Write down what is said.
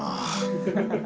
ハハハ。